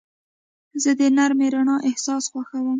زه د نرمې رڼا احساس خوښوم.